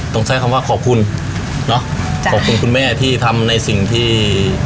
ต้องใช้คำว่าขอบคุณเนาะขอบคุณคุณแม่ที่ทำในสิ่งที่